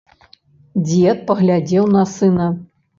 Дзед паглядзеў на сына.